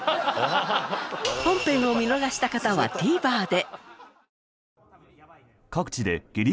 本編を見逃した方はＴＶｅｒで。